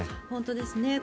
本当ですね。